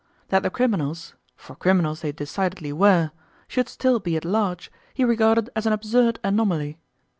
That the criminals, for criminals they decidedly were, should still be at large, he regarded as an absurd anomaly.